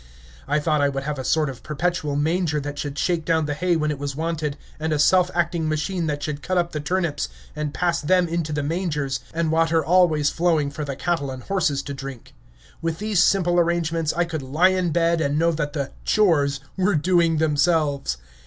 I thought I would have a sort of perpetual manger that should shake down the hay when it was wanted, and a self acting machine that should cut up the turnips and pass them into the mangers, and water always flowing for the cattle and horses to drink. With these simple arrangements I could lie in bed, and know that the "chores" were doing themselves.